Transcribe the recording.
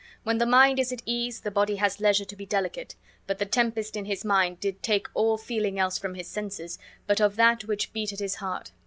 When the mind is at ease the body has leisure to be delicate, but the tempest in his mind did take all feeling else from his senses but of that which beat at his heart.